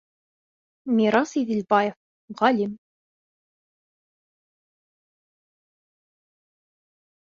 Мирас ИҘЕЛБАЕВ, ғалим: